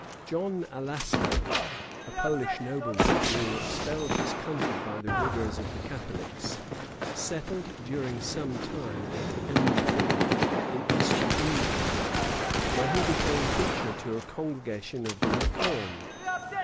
John Alasco, a Polish nobleman, being expelled his country by the rigors of the Catholics, settled during some time at Embden in East Friezland, where he became preacher to a congregation of the reformed.